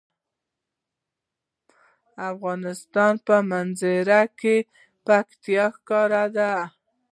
د افغانستان په منظره کې پکتیکا ښکاره ده.